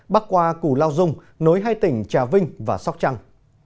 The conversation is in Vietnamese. bắc qua củ lao dung nối hai tỉnh trà vinh và sóc trăng